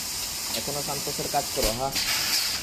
এখনো সান্তোসের কাজ করো, হাহ?